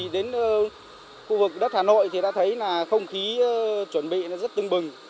đến khu vực đất hà nội thì đã thấy là không khí chuẩn bị rất tưng bừng